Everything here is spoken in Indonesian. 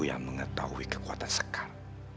yang mengetahui kekuatan sekar